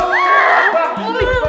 bawa jangan naik naik